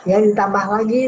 ya ditambah lagi